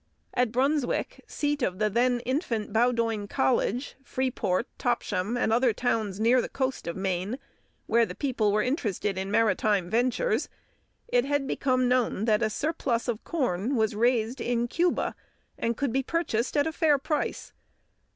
At Brunswick, seat of the then infant Bowdoin College, Freeport, Topsham, and other towns near the coast of Maine, where the people were interested in maritime ventures, it had become known that a surplus of corn was raised in Cuba, and could be purchased at a fair price.